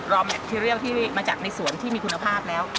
อมแมคทีเรียลที่มาจากในสวนที่มีคุณภาพแล้ว